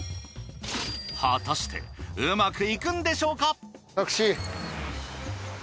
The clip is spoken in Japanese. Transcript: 果たしてうまくいくんでしょうか！？